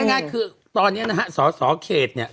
ง่ายคือตอนนี้นะฮะสอสอเขตเนี่ย